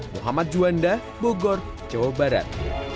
muhammad juanda bogor jawa barat